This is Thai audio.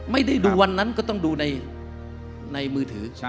ไม่ได้ดูวันนั้นก็ต้องดูในมือถือ